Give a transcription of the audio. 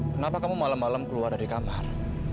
kenapa kamu malam malam keluar dari kamar